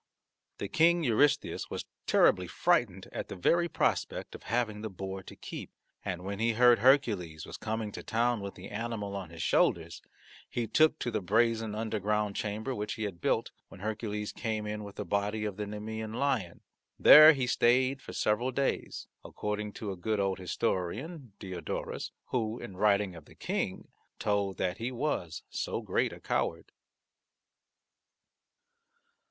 The King Eurystheus was terribly frightened at the very prospect of having the boar to keep, and when he heard Hercules was coming to town with the animal on his shoulders he took to the brazen underground chamber, which he had built, when Hercules came in with the body of the Nemean lion. There he stayed for several days, according to a good old historian, Diodorus, who in writing of the King told that he was so great a coward.